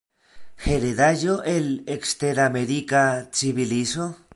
Heredaĵo el eksteramerika civilizo?